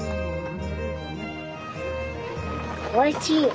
おいしい。